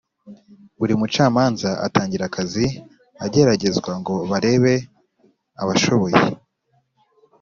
Buri mucamanza atangira akazi ageragezwa ngo barebe abashoboye